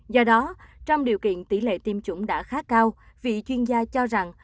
do đó trong điều kiện tỷ lệ tiêm chủng đã khá cao vị chuyên gia cho rằng